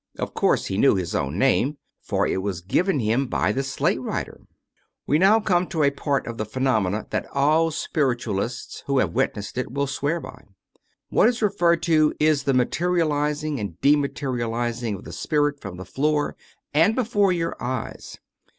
Of course he knew his own name, for it was given him by the slate writer. ..; We now come to a part of the phenomena that all spir itualists who have witnessed it will swear by. What is re^ ferred to is the materializing and dematerializing of the spirit from the floor and before your eyes.